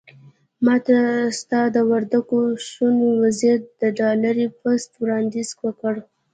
ماته ستا د وردګو د ښوونې وزير د ډالري پست وړانديز وکړ.